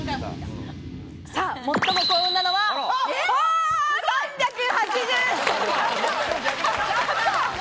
最も幸運なのは、３８７位！